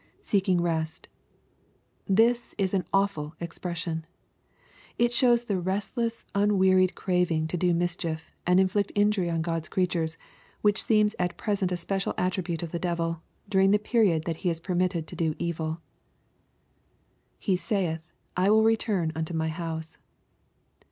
[Seeking rest.] This is an awful expression I It shows the rest less unwearied craving to do mischief, and inflict injury on God's creatures, which seems at present a special attribute of the devil, during the period that he is permitted to do evil [J3e saith, I tuiH return unto my house.